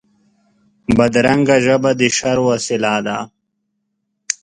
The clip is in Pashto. بدرنګه ژبه د شر وسیله ده